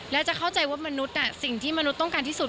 และจะเข้าใจว่ามนุษย์สิ่งที่มนุษย์ต้องการที่สุด